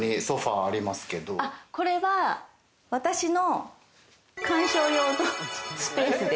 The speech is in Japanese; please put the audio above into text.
これは私の。